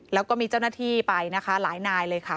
แล้วก็มีเจ้าหน้าที่ไปนะคะหลายนายเลยค่ะ